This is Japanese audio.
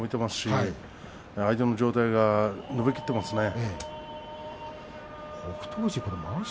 相手の腰が伸びきってますね。